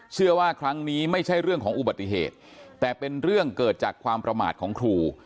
เชื่อว่าครั้งนี้ไม่ใช่เรื่องของอุบัติเหตุแต่เป็นเรื่องเกิดจากความประมาทของครู